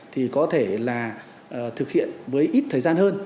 thì có thể là thực hiện với ít thời gian hơn